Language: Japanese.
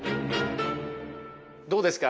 どうですか？